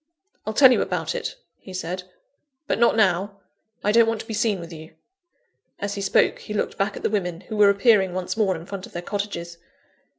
"I'll tell you about it," he said; "but not now; I don't want to be seen with you." (As he spoke he looked back at the women, who were appearing once more in front of their cottages.)